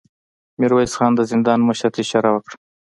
ميرويس خان د زندان مشر ته اشاره وکړه.